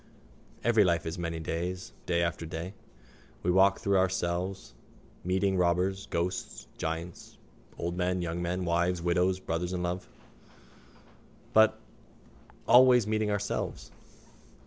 _ Every life is many days, day after day. We walk through ourselves, meeting robbers, ghosts, giants, old men, young men, wives, widows, brothers in love, but always meeting ourselves.